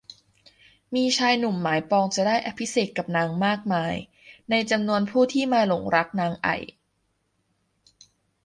มีชายหนุ่มหมายปองจะได้อภิเษกกับนางมากมาย ในจำนวนผู้ที่มาหลงรักนางไอ่